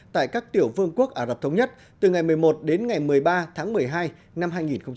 tại các tiểu vương quốc ả rập thống nhất từ ngày một mươi một đến ngày một mươi ba tháng một mươi hai năm hai nghìn hai mươi